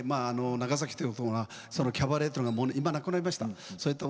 長崎というとこがそのキャバレーというのが今なくなりました。